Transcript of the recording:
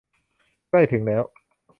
ใกล้ถึงแล้ว